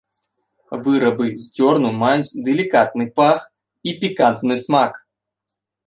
Вырабы з цёрну маюць далікатны пах і пікантны смак.